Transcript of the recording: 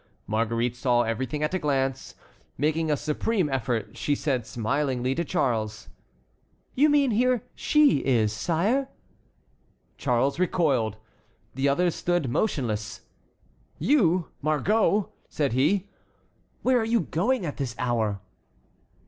Marguerite saw everything at a glance. Making a supreme effort, she said smilingly to Charles: "You mean, here she is, sire!" Charles recoiled. The others stood motionless. "You, Margot!" said he. "Where are you going at this hour?"